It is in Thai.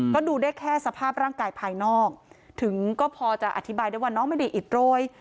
ก็ดูได้แค่สภาพร่างกายภายนอกถึงก็พอจะอธิบายได้ว่าน้องไม่ได้อิดโรย